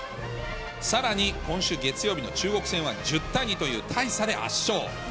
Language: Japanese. さらに今週月曜日の中国戦は１０対２という大差で圧勝。